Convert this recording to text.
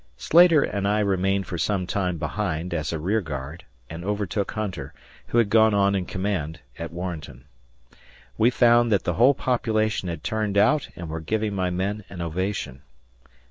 Slater and I remained for some time behind as a rear guard and overtook Hunter, who had gone on in command, at Warrenton. We found that the whole population had turned out and were giving my men an ovation.